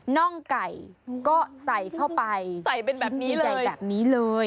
น่องไก่ก็ใส่เข้าไปจิ้นใหญ่แบบนี้เลย